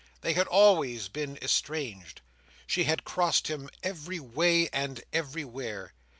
They had always been estranged. She had crossed him every way and everywhere.